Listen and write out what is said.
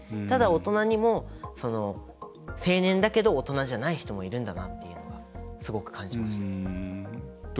ただ、大人にも成年だけど大人じゃない人もいるんだなとすごく感じました。